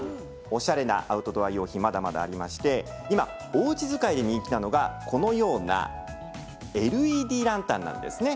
おしゃれなアウトドア用品まだ、ありまして今おうち使いに人気なのがこのようなＬＥＤランタンなんですね。